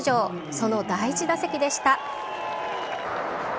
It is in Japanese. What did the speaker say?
その第１打席でした。